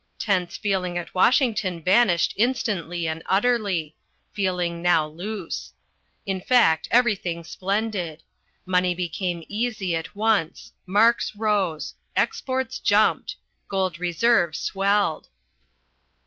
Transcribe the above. Tense feeling at Washington vanished instantly and utterly. Feeling now loose. In fact everything splendid. Money became easy at once. Marks rose. Exports jumped. Gold reserve swelled.